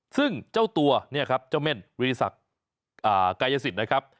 ซึ่งเจ้าตัวเนี่ยครับเจ้าเม่นริสักกายสิทธิ์นะครับ